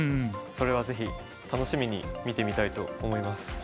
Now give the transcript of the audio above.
それはぜひ楽しみに見てみたいと思います。